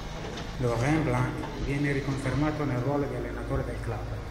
Laurent Blanc viene riconfermato nel ruolo di allenatore del club.